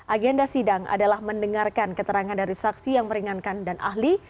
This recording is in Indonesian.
agenda sidang adalah mendengarkan keterangan dari saksi yang meringankan dan ahli